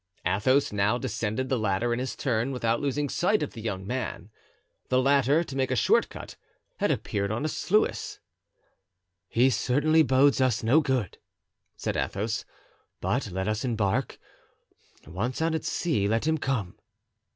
Athos now descended the ladder in his turn, without losing sight of the young man. The latter, to make a short cut, had appeared on a sluice. "He certainly bodes us no good," said Athos; "but let us embark; once out at sea, let him come."